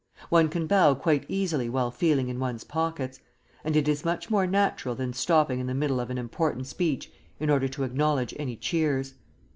One can bow quite easily while feeling in one's pockets, and it is much more natural than stopping in the middle of an important speech in order to acknowledge any cheers.